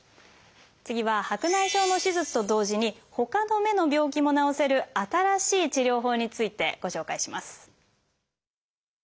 次は白内障の手術と同時にほかの目の病気も治せる新しい治療法についてご紹介します。